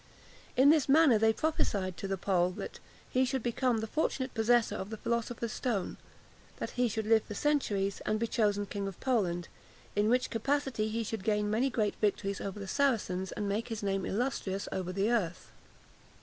In this manner they prophesied to the Pole that he should become the fortunate possessor of the philosopher's stone; that he should live for centuries, and be chosen King of Poland, in which capacity he should gain many great victories over the Saracens, and make his name illustrious over all the earth.